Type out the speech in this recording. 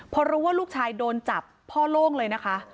พอรู้ว่าลูกชายโดนจับพ่อโล่งเลยนะคะ